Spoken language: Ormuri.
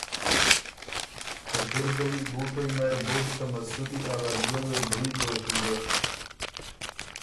ته دِرګه بُوټئ نر بُډ ته مسُودی ا غدئے وې برید دوک ویزر